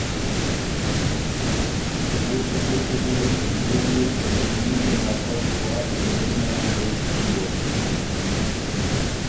که او سو خوئ څۀ کوی که ګُده ليې ته دُوی ته ناکؤ سوال پردئ نر پېش ݭیوک۔